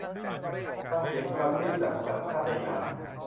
ฟังเสียงกระซิบจากสัญชาตญาณ